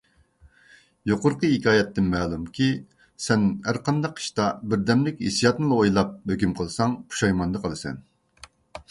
يۇقىرىقى ھېكايەتتىن مەلۇمكى، سەن ھەرقانداق ئىشتا بىردەملىك ھېسسىياتنىلا ئويلاپ، ھۆكۈم قىلساڭ پۇشايماندا قالىسەن.